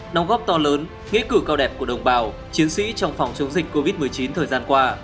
đóng góp to lớn nghĩa cử cao đẹp của đồng bào chiến sĩ trong phòng chống dịch covid một mươi chín thời gian qua